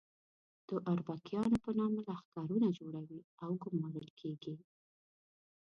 د اربکیانو په نامه لښکرونه جوړوي او ګومارل کېږي.